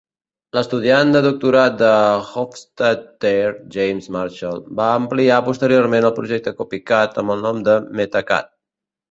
L'estudiant de doctorat de Hofstadter, James Marshall, va ampliar posteriorment el projecte Copycat amb el nom de "Metacat".